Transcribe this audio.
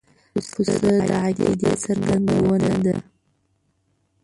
پسه د عقیدې څرګندونه ده.